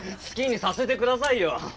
好きにさせてくださいよ！